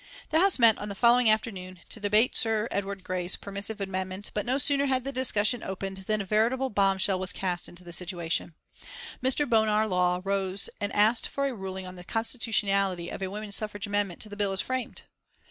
The House met on the following afternoon to debate Sir Edward Grey's permissive amendment, but no sooner had the discussion opened than a veritable bombshell was cast into the situation. Mr. Bonar Law arose and asked for a ruling on the constitutionality of a woman's suffrage amendment to the bill as framed.